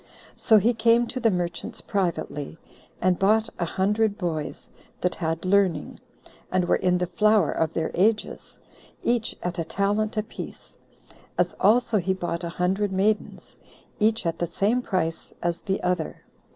So he came to the merchants privately, and bought a hundred boys, that had learning, and were in the flower of their ages, each at a talent apiece; as also he bought a hundred maidens, each at the same price as the other.